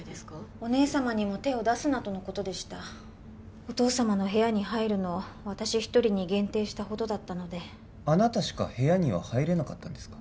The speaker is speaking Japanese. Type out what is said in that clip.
お義姉様にも手を出すなとのことでしたお義父様の部屋に入るのは私一人に限定したほどだったのであなたしか部屋には入れなかったんですか？